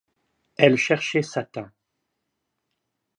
Elle cherchait Satin.